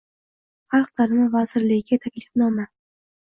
Xalq ta'limi vazirligiga taklifnoma Bu